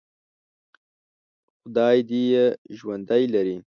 خدای دې یې ژوندي لري.